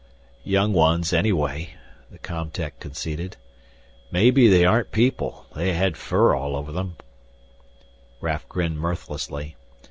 "Young ones anyway," the com tech conceded. "Maybe they aren't people. They had fur all over them " Raf grinned mirthlessly.